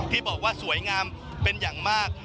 ที่บอกว่าสวยงามเป็นอย่างมาก